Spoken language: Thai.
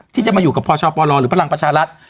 ที่จะมาอยู่กับพชปลหรือพลังประชารัฐ